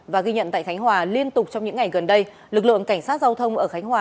và ghi nhận tại khánh hòa liên tục trong những ngày gần đây lực lượng cảnh sát giao thông ở khánh hòa